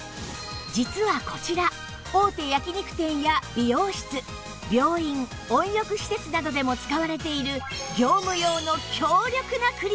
実はこちら大手焼肉店や美容室病院温浴施設などでも使われている